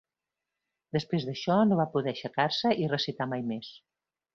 Després d'això, no va poder aixecar-se i recitar mai més.